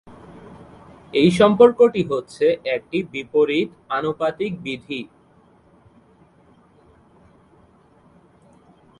এই সম্পর্কটি হচ্ছে একটি "বিপরীত-আনুপাতিক বিধি"।